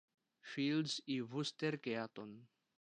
Fields y Buster Keaton.